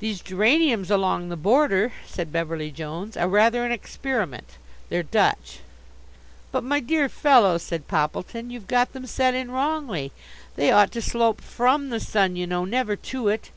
"These geraniums along the border," said Beverly Jones, "are rather an experiment. They're Dutch." "But my dear fellow," said Poppleton, "you've got them set in wrongly. They ought to slope from the sun you know, never to it.